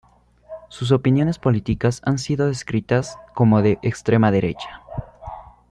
Sus opiniones políticas han sido descritas como de extrema derecha.